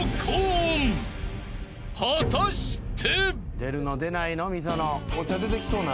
［果たして］